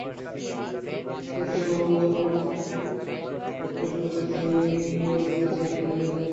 কারণ মানসিক চাপের প্রভাবে তখন তাঁদের বিপাক প্রক্রিয়ার গতি ধীর হয়ে যায়।